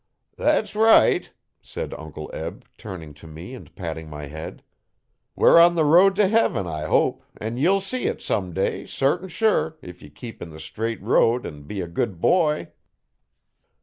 'That's right,' said Uncle Eb, turning to me and patting my head. 'We're on the road t' heaven, I hope, an' ye'll see it someday, sartin sure, if ye keep in the straight road and be a good boy.'